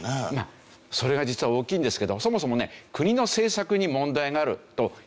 それが実は大きいんですけどそもそもね国の政策に問題があると批判されてるんですよ。